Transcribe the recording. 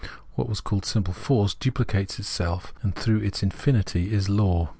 What was called simple force duplicates itself, and through its infinity is law.